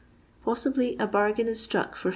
Possibly a bargain is struck for 5